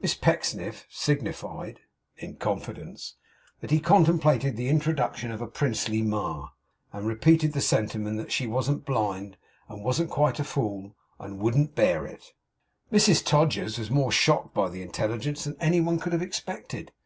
Miss Pecksniff signified (in confidence) that he contemplated the introduction of a princely ma; and repeated the sentiment that she wasn't blind, and wasn't quite a fool, and wouldn't bear it. Mrs Todgers was more shocked by the intelligence than any one could have expected.